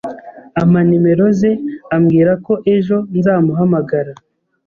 ampa nimero ze, ambwirako ejo nzamuhamagara